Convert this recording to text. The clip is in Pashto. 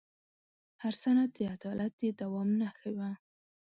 هر سند د عدالت د دوام نښه وه.